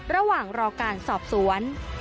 ระหว่างรอการสอบสวน